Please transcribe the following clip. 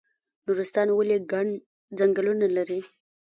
نورستان ولې ګڼ ځنګلونه لري؟